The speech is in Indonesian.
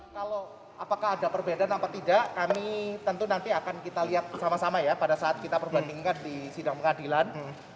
kalau apakah ada perbedaan apa tidak kami tentu nanti akan kita lihat sama sama ya pada saat kita perbandingkan di sidang pengadilan